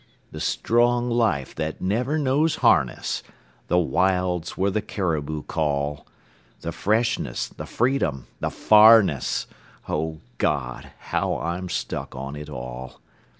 The strong life that never knows harness; The wilds where the caribou call; The freshness, the freedom, the farness O God! how I'm stuck on it all.